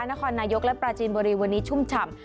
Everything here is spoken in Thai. นครนายกและปราจีนบุรีวันนี้ชุ่มฉ่ำ